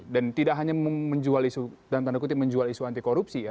dan tidak hanya menjual isu dalam tanda kutip menjual isu anti korupsi ya